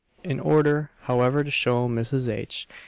In order, however, to show Mrs. H.